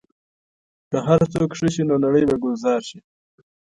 که هر څوک ښه شي، نو نړۍ به ګلزار شي.